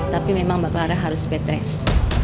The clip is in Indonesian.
tapi memang mbak clara harus bed rest